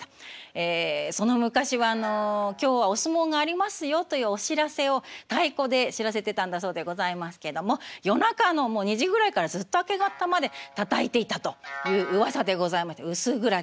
ええその昔はあの「今日はお相撲がありますよ」というお知らせを太鼓で知らせてたんだそうでございますけども夜中のもう２時ぐらいからずっと明け方までたたいていたといううわさでございまして「薄暗き」